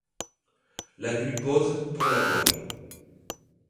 La nuit pose, pour la voile